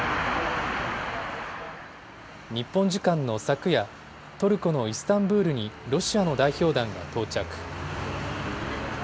日本時間の昨夜、トルコのイスタンブールにロシアの代表団が到着。